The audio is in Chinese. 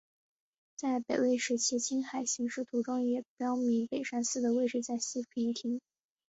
在北魏时期青海形势图中也标明北山寺的位置在西平亭。